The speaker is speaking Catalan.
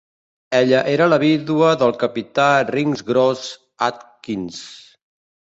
Ella era la vídua del Capità Ringrose Atkyns.